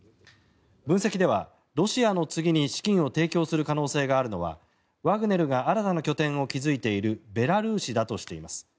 分析ではロシアの次に資金を提供する可能性があるのはワグネルが新たな拠点を築いているベラルーシだとしています。